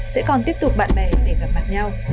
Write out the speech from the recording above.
sẽ còn tiếp tục bạn bè để gặp mặt nhau